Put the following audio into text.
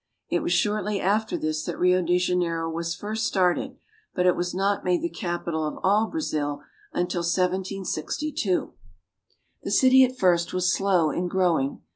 It was shortly after this that Rio de Janeiro was first started, but it was not made the capital of all Brazil until 1762. The city at first was slow in growing.